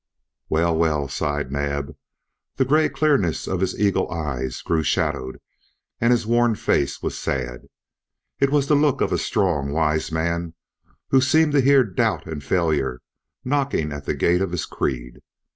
"Well, well," sighed Naab. The gray clearness of his eagle eyes grew shadowed and his worn face was sad. It was the look of a strong wise man who seemed to hear doubt and failure knocking at the gate of his creed.